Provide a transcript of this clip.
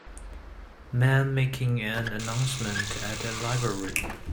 man making an announcement at a library